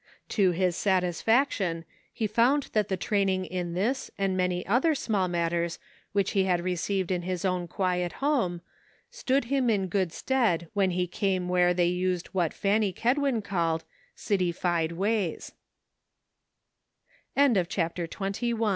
To his satisfaction he found that the training in this and many other small matters which he had received in his own quiet home, stood him in good stead when he came where they used what Fanny Kedwin called "